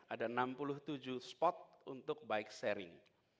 ada enam puluh tujuh spot untuk bike sharing